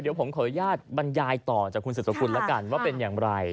เดี๋ยวผมขออนุญาตบรรยายต่อจากคุณสุดสกุลแล้วกันว่าเป็นอย่างไร